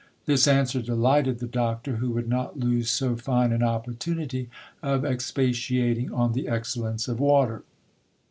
This answer delighted the doctor, who would not lose so fine an opportunity of expatiating on the excellence of water.